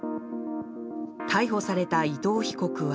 逮捕された伊藤被告は。